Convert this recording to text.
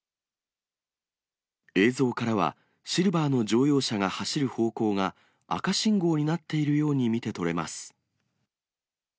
映像からは、シルバーの乗用車が走る方向が、赤信号になっているように見て取れます。